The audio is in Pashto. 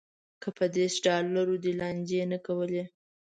که په دېرش ډالرو دې لانجې نه کولی.